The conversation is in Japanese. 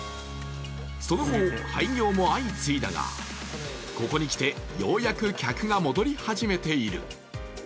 その後、廃業も相次いだが、ここにきてようやく客が戻り始めている。